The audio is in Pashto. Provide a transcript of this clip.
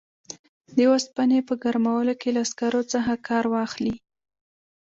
د اوسپنې په ګرمولو کې له سکرو څخه کار واخلي.